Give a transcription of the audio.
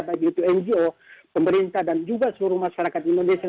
baik itu ngo pemerintah dan juga seluruh masyarakat indonesia